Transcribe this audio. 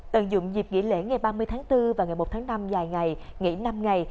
tận dụng dịp nghỉ lễ ngày ba mươi tháng bốn và ngày một tháng năm dài ngày nghỉ năm ngày